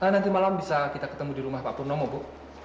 nanti malam bisa kita ketemu di rumah pak purnomo bu